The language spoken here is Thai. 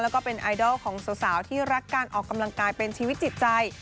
แล้วก็เป็นไอดอลของสาวที่รักการออกกำลังกายเป็นชีวิตจิตใจ